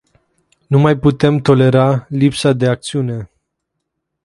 Nu mai putem tolera lipsa de acțiune.